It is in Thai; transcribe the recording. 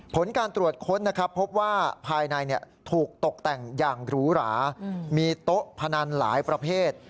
ผลการตรวจค้นนะครับพบว่าภายในถูกตกแต่งอย่างหรูหรามีโต๊ะพนันหลายประเภท